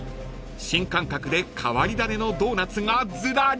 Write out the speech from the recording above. ［新感覚で変わり種のドーナツがずらり］